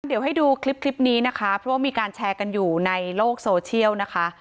เดี๋ยวให้ดูคลิปคลิปนี้นะคะเพราะว่ามีการแชร์กันอยู่ในโลกโซเชียลนะคะ